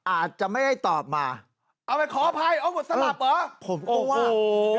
อาจจะไม่ได้ตอบมาเอาไปขออภัยเอาบทสลับเหรอผมกลัวโอ้โห